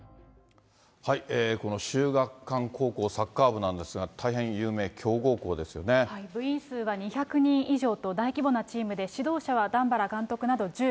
この秀岳館高校サッカー部なんですが、大変有名、部員数は２００人以上と、大規模なチームで、指導者は段原監督など１５人。